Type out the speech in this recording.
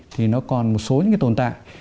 thì nó còn một số những tồn tại